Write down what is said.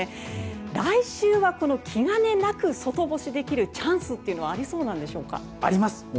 来週は気兼ねなく外干しできるチャンスというのはありそうなんでしょうか？